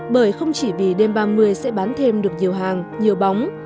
bởi không chỉ vì đêm ba mươi sẽ bán thêm được nhiều hàng nhiều bóng